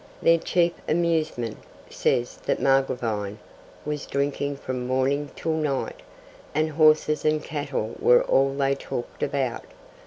'Their chief amusement,' says the Margravine, 'was drinking from morning till night,' and horses and cattle were all they talked about.